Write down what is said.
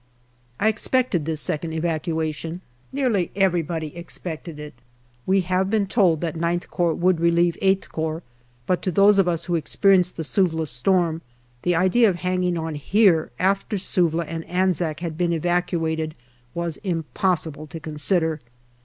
I expected this second evacuation. Nearly everybody expected it. We have been told that IX Corps would relieve VIII Corps, but to those of us who experienced the Suvla storm, the idea of hanging on here after Suvla and Anzac had been evacuated was impossible to consider.